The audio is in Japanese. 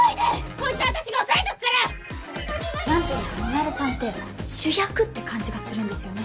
こいつは私が押さえとくから！なんていうかミナレさんって主役！って感じがするんですよね。